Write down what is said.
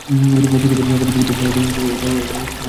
ঠিক আছে, বাড়ি ফিরতে এটা কাজে লাগিও।